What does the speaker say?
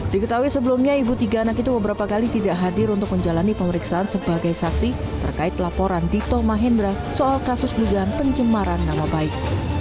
diketahui sebelumnya ibu tiga anak itu beberapa kali tidak hadir untuk menjalani pemeriksaan sebagai saksi terkait laporan dito mahendra soal kasus dugaan pencemaran nama baik